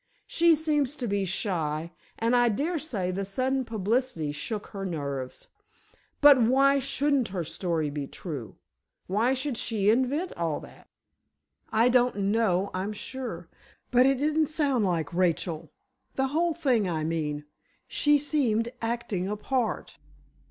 She seems to be shy, and I daresay the sudden publicity shook her nerves. But why shouldn't her story be true? Why should she invent all that?" "I don't know, I'm sure. But it didn't sound like Rachel—the whole thing, I mean. She seemed acting a part."